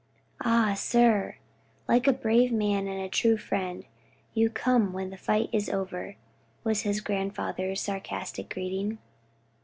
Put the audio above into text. "Ah, sir! like a brave man and a true friend, you come when the fight is over," was his grandfather's sarcastic greeting.